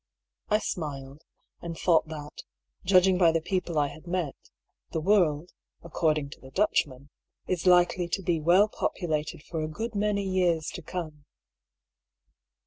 I smiled, and thought that, judging by the people I had met, the world (according to the Dutchman) is likely to be well populated for a good many years to come.